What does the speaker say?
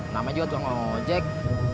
namanya juga tukang ojek